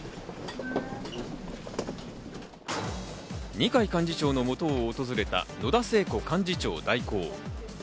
二階幹事長のもとを訪れた野田聖子幹事長代行。